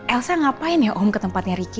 elsa ngapain ya om ke tempatnya ricky